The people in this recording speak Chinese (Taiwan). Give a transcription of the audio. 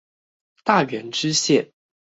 大園支線